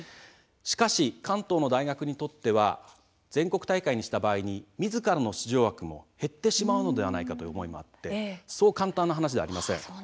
しかし、関東の大学にとっては全国大会にした場合にみずからの出場枠も減ってしまうのではないかという思いもあってそう簡単な話ではありません。